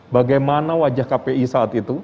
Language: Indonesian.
bagaimana wajah kpi saat itu